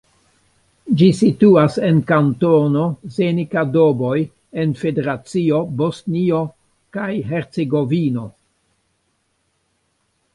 Ĝi situas en Kantono Zenica-Doboj en Federacio Bosnio kaj Hercegovino.